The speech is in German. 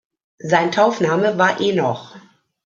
Sein Taufname war Enoch.